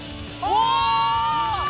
お！